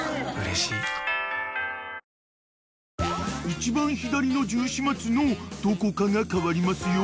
［一番左のジュウシ松のどこかが変わりますよ］